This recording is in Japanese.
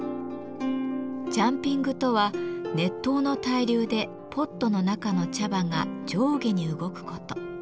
ジャンピングとは熱湯の対流でポットの中の茶葉が上下に動くこと。